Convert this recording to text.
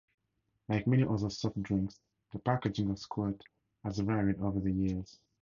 Like many other soft drinks, the packaging of Squirt has varied over the years.